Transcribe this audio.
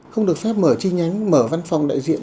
không được phép mở chi nhánh mở văn phòng đại diện